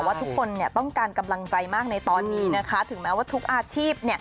ว่าทุกคนต้องการกำลังใจมากในตอนนี้นะคะถึงแม้ว่าทุกอาชีพ